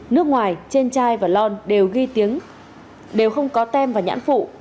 nước ngoài trên chai và lon đều ghi tiếng đều không có tem và nhãn phụ